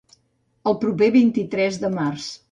El proper vint-i-tres de març.